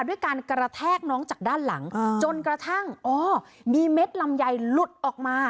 ด้วยการกระแทกน้องจากด้านหลังจนกระทั่งอ๋อมีเม็ดลำไยหลุดออกมา